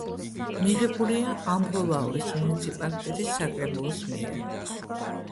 მიღებულია ამბროლაურის მუნიციპალიტეტის საკრებულოს მიერ.